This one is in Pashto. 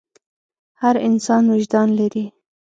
هر انسان وجدان لري.